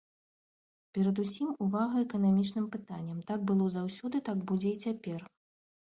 Перадусім увага эканамічным пытанням, так было заўсёды, так будзе і цяпер.